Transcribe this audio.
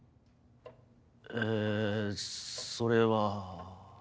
えそれは。